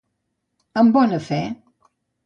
Amb bona fe.